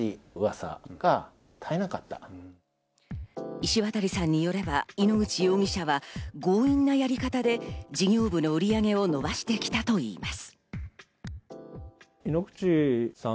石渡さんによれば、井ノ口容疑者は強引なやり方で事業部の売り上げを伸ばしてきたといいます。